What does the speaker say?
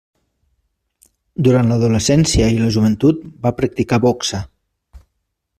Durant l'adolescència i la joventut va practicar boxa.